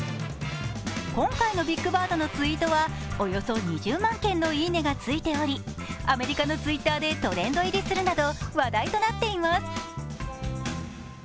今回のビッグバードのツイートは、およそ２０万件の「いいね」がついており、アメリカのＴｗｉｔｔｅｒでトレンド入りするなど、話題となっています。